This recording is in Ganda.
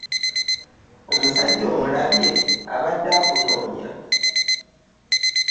Omusajja omulabye abadde akunoonya.